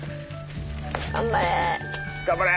頑張れ！